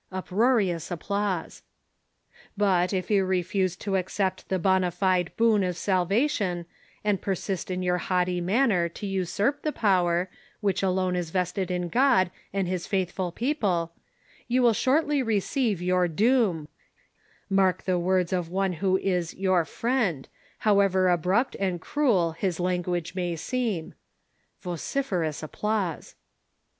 [Uproarious applause.] But, if you refuse to accept the bona fide boon of salva tion, and persist in your haughty manner to usurp the power, which alone is vested in God and His faithful peo ple, you will shortly receive your doom ; mark the words of one who is your friend^ however abrupt and cruel his lan guage may seem. [Vociferous applause.